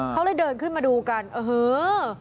เขาเลยเดินขึ้นมาดูกันอื้อฮือ